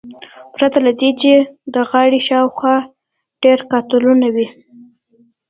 پرته له دې چې د غاړې شاوخوا ډیر قاتونه وي